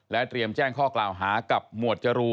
เตรียมแจ้งข้อกล่าวหากับหมวดจรู